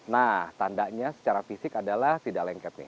nah tandanya secara fisik adalah tidak lengket nih